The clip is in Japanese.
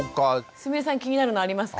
すみれさん気になるのありますか？